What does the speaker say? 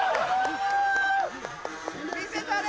・見せたれ！